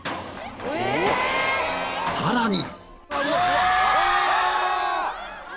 ［さらに！］